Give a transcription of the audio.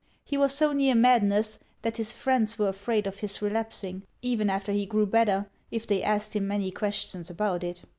He was so near madness, that his friends were afraid of his relapsing, even after he grew better, if they asked him many questions about it.